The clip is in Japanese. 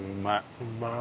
うまい。